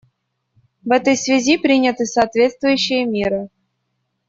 В этой связи приняты соответствующие меры.